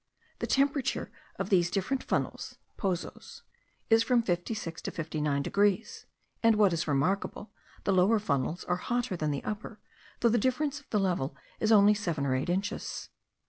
The temperature of these different funnels (pozos) is from 56 to 59 degrees; and what is remarkable, the lower funnels are hotter than the upper, though the difference of the level is only seven or eight inches.